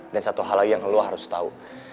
dan satu hal lagi yang lo harus tau